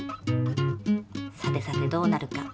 さてさてどうなるか。